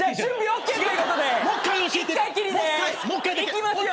いきますよ。